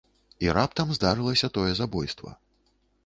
І раптам здарылася тое забойства.